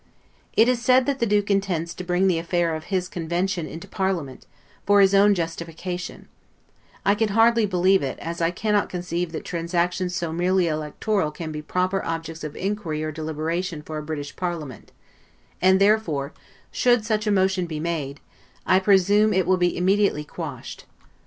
It is said that the Duke intends to bring the affair of his Convention into parliament, for his own justification; I can hardly believe it; as I cannot conceive that transactions so merely electoral can be proper objects of inquiry or deliberation for a British parliament; and, therefore, should such a motion be made, I presume it will be immediately quashed.